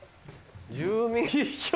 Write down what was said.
住民票。